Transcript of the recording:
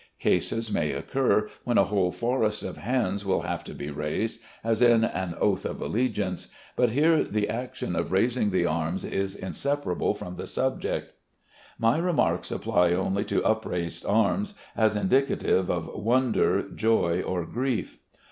Cases may occur when a whole forest of hands will have to be raised, as in an oath of allegiance; but here the action of raising the arms is inseparable from the subject. My remarks apply only to upraised arms as indicative of wonder, joy, or grief.